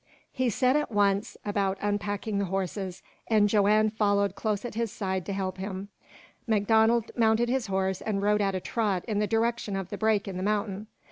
He set at once about unpacking the horses, and Joanne followed close at his side to help him. MacDonald mounted his horse and rode at a trot in the direction of the break in the mountain.